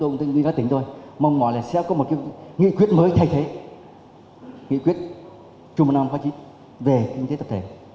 nghĩa quyết chung một năm phát triển về kinh tế tập thể